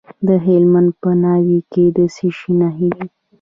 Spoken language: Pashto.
د هلمند په ناوې کې د څه شي نښې دي؟